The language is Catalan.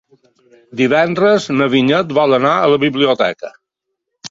Divendres na Vinyet vol anar a la biblioteca.